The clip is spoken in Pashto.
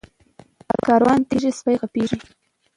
ـ کاروان تېريږي سپي غپيږي.